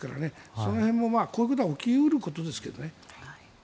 その辺もまあこういうことは起き得ることですけどね。